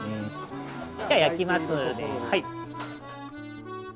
じゃあ焼きますはい。